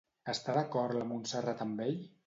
Està d'acord la Montserrat amb ell?